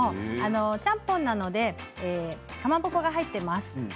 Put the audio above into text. ちゃんぽんなのでかまぼこが入っています。